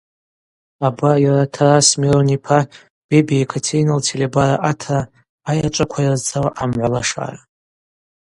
Абар йара Тарас Мирон йпа Бебиа Екатерина лтелебара атра Айачӏваква йрызцауа амгӏва лашара.